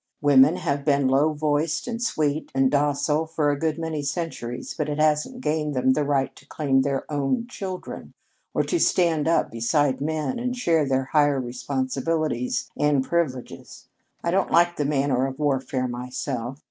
Women have been low voiced and sweet and docile for a good many centuries, but it hasn't gained them the right to claim their own children, or to stand up beside men and share their higher responsibilities and privileges. I don't like the manner of warfare, myself.